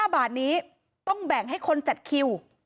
๕บาทนี้ต้องแบ่งให้คนจัดคิว